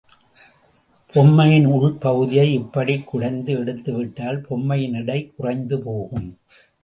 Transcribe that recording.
பொம்மையின் உள் பகுதியை இப்படிக் குடைந்து எடுத்துவிட்டால் பொம்மையின் எடை குறைந்து போகும்.